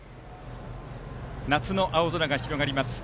夏の青空が広がります。